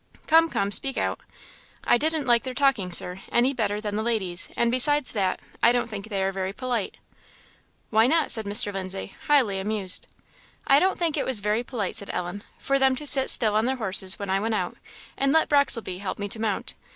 "Come, come; speak out." "I didn't like their talking, Sir, any better than the ladies, and besides that, I don't think they are very polite." "Why not?" said Mr. Lindsay, highly amused. "I don't think it was very polite," said Ellen, "for them to sit still on their horses when I went out, and let Brocklesby help me to mount.